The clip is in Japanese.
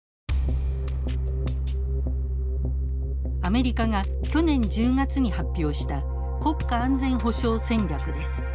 アメリカが去年１０月に発表した国家安全保障戦略です。